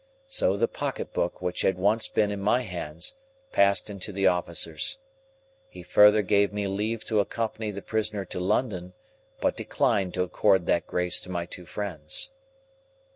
So the pocket book which had once been in my hands passed into the officer's. He further gave me leave to accompany the prisoner to London; but declined to accord that grace to my two friends.